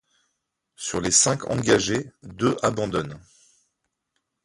Sur les cinq engagées, deux abandonnent.